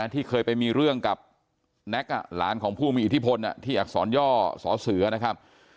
ที่เคยไปมีเรื่องกับแน็กหลานของผู้มีอิทธิพลที่อักษรย่อสอเสือนะครับ